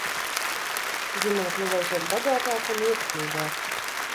Ģimene kļuva aizvien bagātāka un ietekmīgāka.